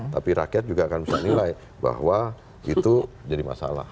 tapi rakyat juga akan bisa menilai bahwa itu jadi masalah